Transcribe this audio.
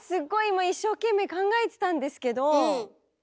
今一生懸命考えてたんですけど。